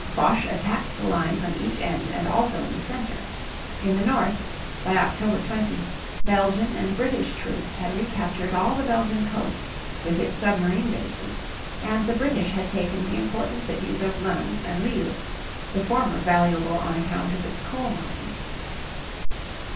Foch attacked the line from each end and also in the center. In the north, by October 20, Belgian and British troops had recaptured all the Belgian coast, with its submarine bases; and the British had taken the important cities of Lens and Lille, the former valuable on account of its coal mines.